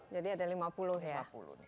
jadi ada lima puluh ya